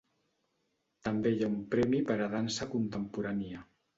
També hi ha un premi per a dansa contemporània.